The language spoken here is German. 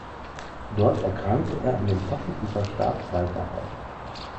Dort erkrankte er an den Pocken und verstarb bald darauf.